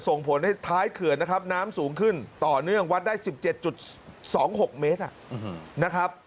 ส่งผลให้ท้ายเขื่อนน้ำสูงขึ้นต่อเนื่องวัดได้๑๗๒๖เมตร